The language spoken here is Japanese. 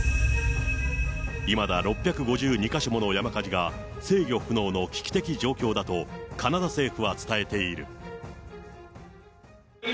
いまだ６５２か所もの山火事が、制御不能の危機的状況だと、カナダ政府は伝えている。